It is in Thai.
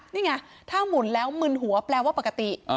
นี่ไงถ้าหมุนแล้วมึนหัวแปลว่าปกติ